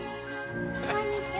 こんにちは。